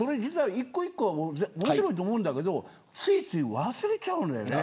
一個一個は面白いと思うんだけどついつい忘れちゃうんだよね。